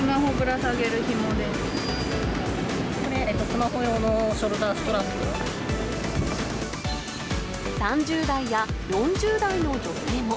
これ、スマホ用のショルダー３０代や４０代の女性も。